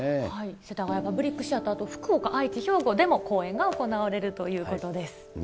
世田谷パブリックシアターと福岡、愛知、兵庫でも公演が行われるということです。